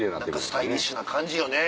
スタイリッシュな感じよね。